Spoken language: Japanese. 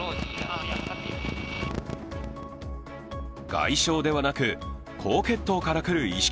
外傷ではなく高血糖からくる意識